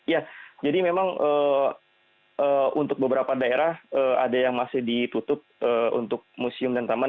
ya jadi memang untuk beberapa daerah ada yang masih ditutup untuk museum dan taman